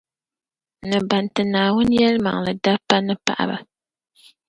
ni ban ti Naawuni yɛlimaŋli dobba ni paɣaba